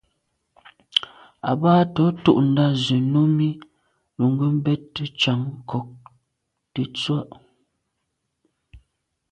Àbâ tɔ̌ tûɁndá zə̄ Númí lù ngə́ bɛ́tə́ càŋ ŋkɔ̀k tə̀tswə́.